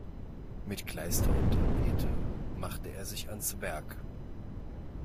Mit Kleister und Tapete machte er sich ans Werk.